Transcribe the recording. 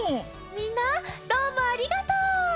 みんなどうもありがとう！